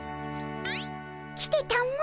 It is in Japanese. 来てたも。